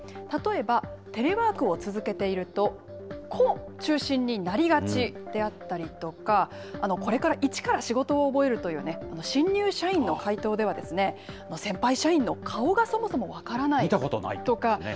例えばテレワークを続けていると、個中心になりがちであったりとか、これから一から仕事を覚えるという新入社員の回答では、先輩社員の顔がそもそも分からないとか。